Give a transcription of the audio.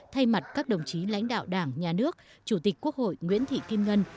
thay mặt các đồng chí lãnh đạo đảng nhà nước chủ tịch quốc hội nguyễn thị kim ngân